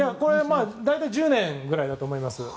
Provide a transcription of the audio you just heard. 大体１０年ぐらいだと思います。